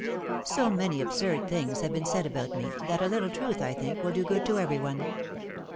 So many absurd things have been said about me, that a little truth, I think, will do good to every one.